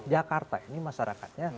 jakarta ini masyarakatnya